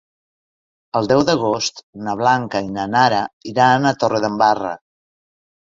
El deu d'agost na Blanca i na Nara iran a Torredembarra.